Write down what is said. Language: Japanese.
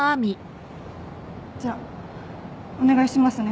じゃお願いしますね。